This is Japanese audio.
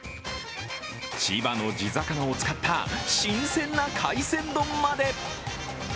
千葉の地魚を使った新鮮な海鮮丼まで。